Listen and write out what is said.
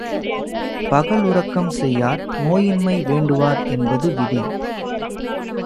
பகலுறக்கம் செய்யார் நோயின்மை வேண்டுவார் என்பது விதி.